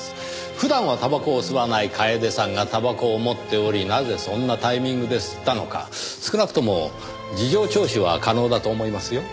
普段はたばこを吸わない楓さんがたばこを持っておりなぜそんなタイミングで吸ったのか少なくとも事情聴取は可能だと思いますよ。